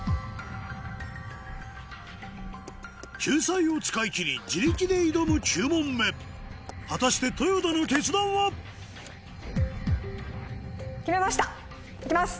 救済を使い切り自力で挑む９問目果たして豊田の決断は？いきます！